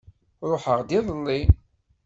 Ṛuḥeɣ-d iḍelli.